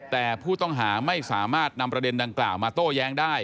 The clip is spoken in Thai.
แต่ผู้ต้องหาไม่สามารถนำประเด็นดังกล่าวมาโต้แย้งได้